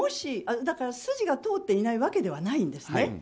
筋が通っていないわけではないんですね。